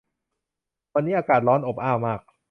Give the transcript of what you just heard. วันนี้อากาศร้อนอบอ้าวมาก